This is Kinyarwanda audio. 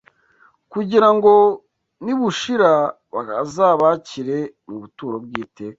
kugira ngo nibushira bazabākire mu buturo bw’iteka